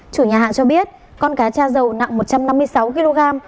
chủ nhà hàng cho biết con cá cha dầu nặng một trăm năm mươi sáu kg